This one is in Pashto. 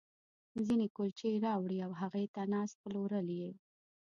ځينې کُلچې راوړي او هغې ته ناست، پلورل یې.